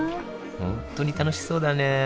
本当に楽しそうだね